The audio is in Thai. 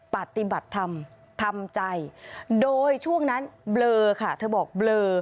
ปฏิบัติธรรมทำใจโดยช่วงนั้นเบลอค่ะเธอบอกเบลอ